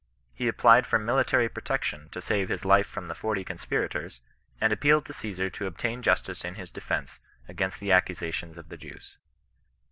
He applied for military protection to save bis life from the forty conspirators, and appealed to Cassar to obtain justice in his defence against the accusations of the Jews.